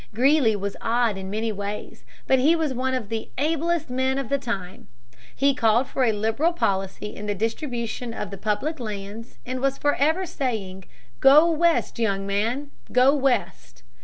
Greeley was odd in many ways, but he was one of the ablest men of the time. He called for a liberal policy in the distribution of the public lands and was forever saying, "Go West, young man, go West."